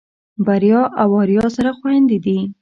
بريا او آريا سره خويندې دي.